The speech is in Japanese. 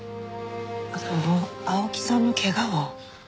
あの青木さんの怪我は？